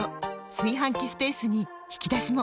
炊飯器スペースに引き出しも！